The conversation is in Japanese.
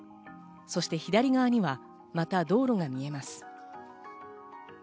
そして左側にはまた道路が見えます。